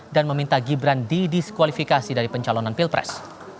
dan meminta gibran didiskualifikasi dari pencalonan pilpres